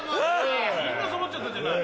みんなそろっちゃったじゃない。